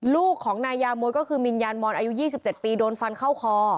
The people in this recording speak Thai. ลูกของนายยามวยก็คือมิญญาณมอนอายุยี่สิบเจ็ดปีโดนฟันเข้าคอ